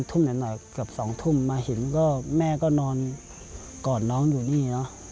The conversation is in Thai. เชิงแม่ก็นอนก่อนน้องอยู่นี่